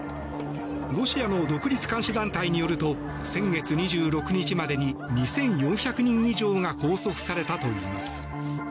ロシアの独立監視団体によると先月２６日までに２４００人以上が拘束されたといいます。